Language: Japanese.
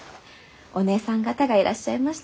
お姐さん方がいらっしゃいました。